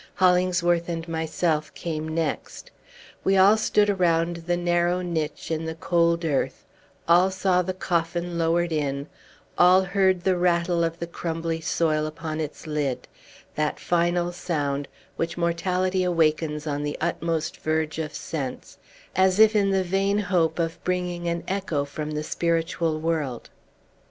Hollingsworth and myself came next. We all stood around the narrow niche in the cold earth; all saw the coffin lowered in; all heard the rattle of the crumbly soil upon its lid, that final sound, which mortality awakens on the utmost verge of sense, as if in the vain hope of bringing an echo from the spiritual world.